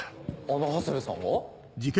あの長谷部さんが？